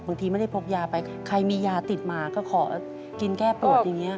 บางทีไม่ได้พกยาไปใครมียาติดมาก็ขอกินแก้ปวดอย่างนี้